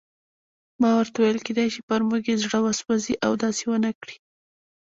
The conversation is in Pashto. ما ورته وویل: کېدای شي پر موږ یې زړه وسوځي او داسې ونه کړي.